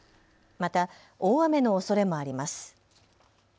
また大雨のおそれもあります。